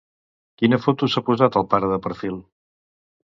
Quina foto s'ha posat el pare de perfil?